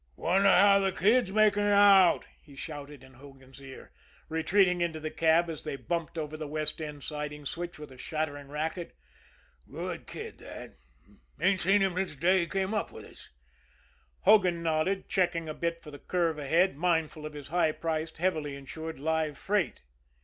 "Wonder how the Kid's making out?" he shouted in Hogan's ear, retreating into the cab as they bumped over the west end siding switch with a shattering racket. "Good kid, that ain't seen him since the day he came up with us." Hogan nodded, checking a bit for the curve ahead, mindful of his high priced, heavily insured live freight.